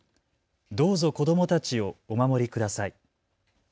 どうぞ子どもたちをお守りください。